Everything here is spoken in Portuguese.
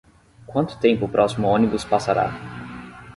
Quanto tempo o próximo ônibus passará?